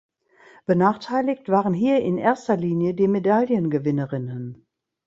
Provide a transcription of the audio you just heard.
Benachteiligt waren hier in erster Linie die Medaillengewinnerinnen.